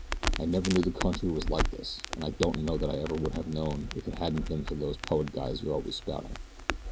"I never knew the country was like this, an' I don't know that I ever would have known it if it hadn't been for those poet guys you're always spouting.